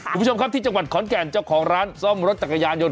คุณผู้ชมครับที่จังหวัดขอนแก่นเจ้าของร้านซ่อมรถจักรยานยนต